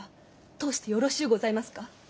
通してよろしうございますか？